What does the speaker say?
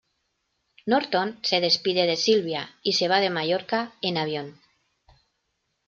Norton se despide de Silvia y se va de Mallorca en avión.